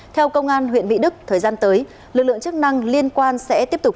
theo công an huyện mỹ đức thời gian tới lực lượng chức năng liên quan sẽ tiếp tục